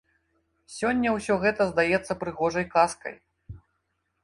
Сёння ўсё гэта здаецца прыгожай казкай.